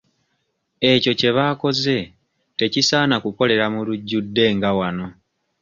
Ekyo kye baakoze tekisaana kukolera mu lujjudde nga wano.